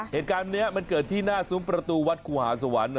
เหตุการณ์นี้มันเกิดที่หน้าซุ้มประตูวัดครูหาสวรรค์